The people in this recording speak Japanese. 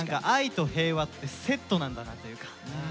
愛と平和ってセットなんだなというか。